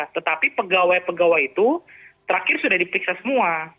tetapi pegawai pegawai itu terakhir sudah diperiksa semua